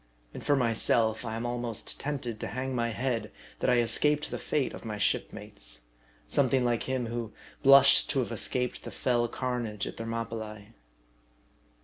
And for myself I am almost tempted to hang my head, that I escaped the fate of my shipmates ; something like him who blushed to have escaped the fell carnage at Thermopylae.